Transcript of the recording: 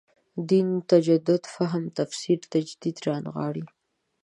دین تجدید فهم تفسیر تجدید رانغاړي.